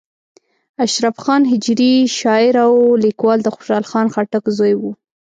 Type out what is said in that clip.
اشرف خان هجري شاعر او لیکوال د خوشحال خان خټک زوی و.